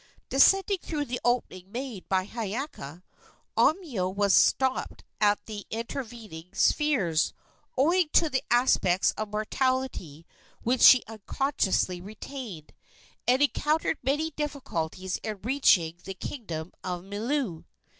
Descending through the opening made by Hiiaka, Omeo was stopped at the intervening spheres, owing to the aspects of mortality which she unconsciously retained, and encountered many difficulties in reaching the kingdom of Milu.